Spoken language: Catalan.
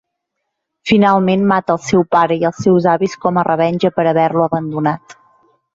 Finalment, mata el seu pare i els seus avis com a revenja per haver-lo abandonat.